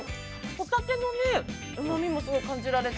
ホタテのうまみもすごい感じられて。